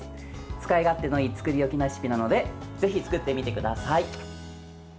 使い勝手のいい作り置きレシピなのでぜひ作ってみてください。